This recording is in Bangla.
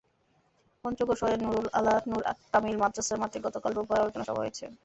পঞ্চগড় শহরের নুরুন আলা নূর কামিল মাদ্রাসা মাঠে গতকাল রোববার আলোচনা সভা হয়েছে।